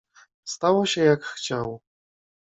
"Stało się jak chciał."